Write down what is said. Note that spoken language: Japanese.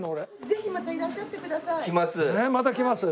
ぜひまたいらっしゃってください。来ます。